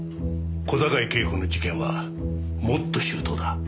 小坂井恵子の事件はもっと周到だ。